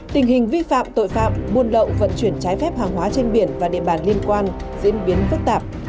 tình hình vi phạm tội phạm buôn lậu vận chuyển trái phép hàng hóa trên biển và địa bàn liên quan diễn biến phức tạp